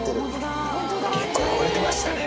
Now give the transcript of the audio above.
結構汚れてましたね